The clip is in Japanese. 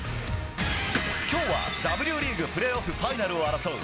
きょうはＷリーグプレーオフファイナルを争う